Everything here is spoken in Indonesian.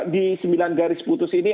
di sembilan garis putus ini